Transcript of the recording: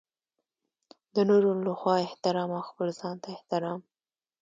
د نورو لخوا احترام او خپل ځانته احترام.